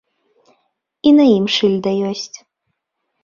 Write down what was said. І на ім шыльда ёсць.